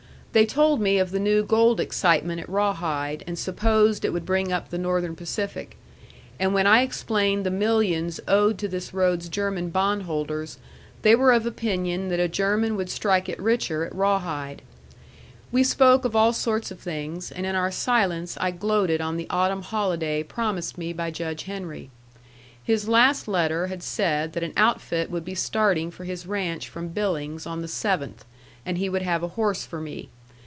They told me of the new gold excitement at Rawhide, and supposed it would bring up the Northern Pacific; and when I explained the millions owed to this road's German bondholders, they were of opinion that a German would strike it richer at Rawhide. We spoke of all sorts of things, and in our silence I gloated on the autumn holiday promised me by Judge Henry. His last letter had said that an outfit would be starting for his ranch from Billings on the seventh, and he would have a horse for me.